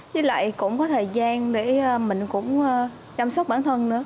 với lại cũng có thời gian để mình cũng chăm sóc bản thân nữa